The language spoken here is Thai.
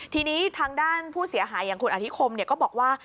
ทีนี้ทางด้านผู้เสียหายอย่างคุณอธิคมก็บอกว่า